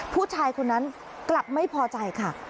ผู้ชายคนนั้นกลับไม่พอใจค่ะ